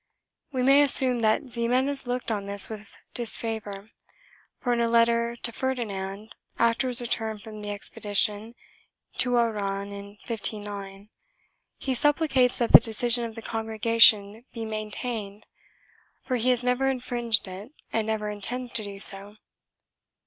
We may assume that Ximenes looked on this with disfavor for, in a letter to Ferdinand, after his return from the expedition to Oran in 1509, he supplicates that the decision of the Congregation be maintained for he has never infringed it and never intends to do so.